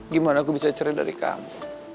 gimana aku bisa cerita dari kamu